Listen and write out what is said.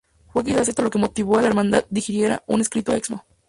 Fue quizás esto lo que motivo que la Hermandad dirigiera un escrito al Excmo.